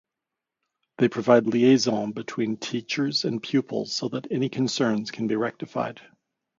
They provide liaison between teachers and pupils so that any concerns can be rectified.